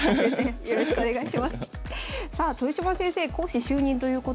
よろしくお願いします。